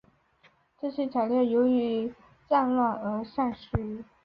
这些材料由于战乱而散失。